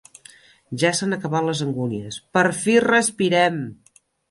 Ja s'han acabat les angúnies: per fi respirem!